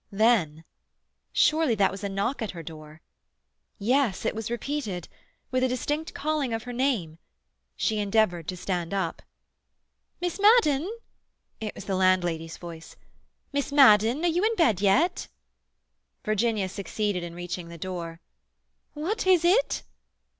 Then— Surely that was a knock at her door? Yes; it was repeated, with a distinct calling of her name. She endeavoured to stand up. "Miss Madden!" It was the landlady's voice. "Miss Madden! Are you in bed yet?" Virginia succeeded in reaching the door. "What is it?"